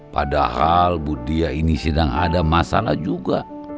padahal bu diah ini sedang ada masalah juga